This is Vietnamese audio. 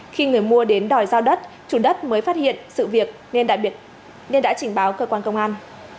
khi người mua đến đòi giao đất chủ đất mới phát hiện sự việc nên đã trình báo cơ quan công an